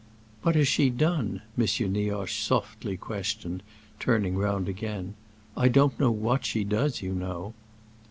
"What has she done?" M. Nioche softly questioned, turning round again. "I don't know what she does, you know."